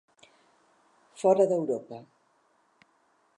Fora d'Europa,